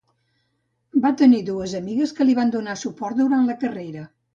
Va tenir dues amigues que li van donar suport durant la carrera.